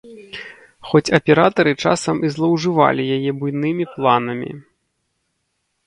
Хоць аператары часам і злоўжывалі яе буйнымі планамі.